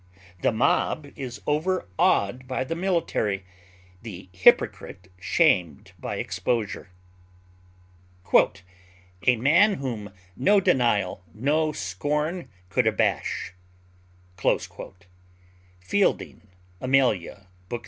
The mob is overawed by the military, the hypocrite shamed by exposure. "A man whom no denial, no scorn could abash." FIELDING Amelia bk.